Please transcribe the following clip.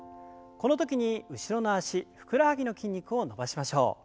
この時に後ろの脚ふくらはぎの筋肉を伸ばしましょう。